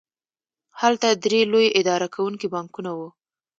هلته درې لوی اداره کوونکي بانکونه وو